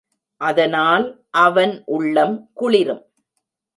அதனால் அவன் உள்ளம் குளிரும்.